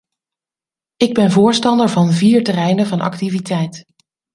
Ik ben voorstander van vier terreinen van activiteit.